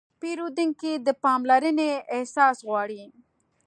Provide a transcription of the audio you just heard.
پیرودونکی د پاملرنې احساس غواړي.